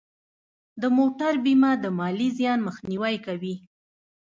د موټر بیمه د مالي زیان مخنیوی کوي.